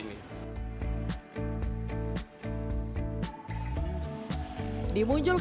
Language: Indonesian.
ketika diangkat ke tempat ini pemilik memiliki kemampuan untuk membuat karya di keterbatasan tempat ini